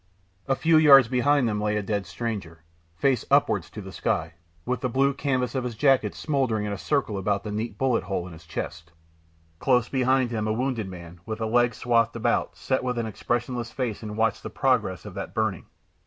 A few yards behind them lay a dead stranger, face upward to the sky, with the blue canvas of his jacket smouldering in a circle about the neat bullet hole on his chest. Close beside him a wounded man, with a leg swathed about, sat with an expressionless face and watched the progress of that burning.